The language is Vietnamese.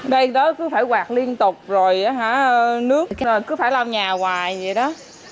đây đó cứ phải hoạt liên tục rồi nước cứ phải lao nhà hoài vậy đó